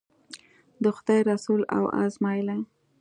د خدای رسول و ازمایي.